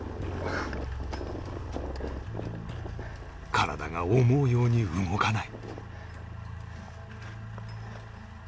体が思うように動かない